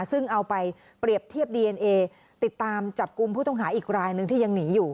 ซึ่งเอาไปเปรียบเทียบดีเอ็นเอติดตามจับกลุ่มผู้ต้องหาอีกรายหนึ่งที่ยังหนีอยู่